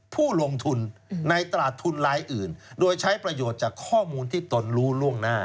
ผู้ลงทุนในตลาดทุนรายอื่นโดยใช้ประโยชน์จากข้อมูลที่ตนรู้ล่วงหน้า